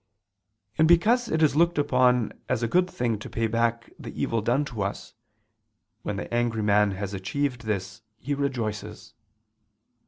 And because it is looked upon as a good thing to pay back the evil done to us; when the angry man has achieved this he rejoices.